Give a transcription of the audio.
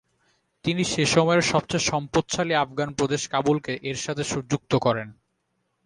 তিনি সেসময়ের সবচেয়ে সম্পদশালী আফগান প্রদেশ কাবুলকে এর সাথে যুক্ত করেন।